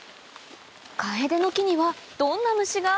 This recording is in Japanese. カエデの木にはどんな虫が？